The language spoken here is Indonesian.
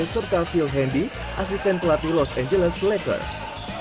serta phil handy asisten pelatih los angeles lakers